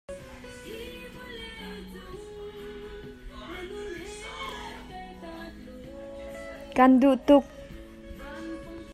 Na caw khanh kan bawmh lai.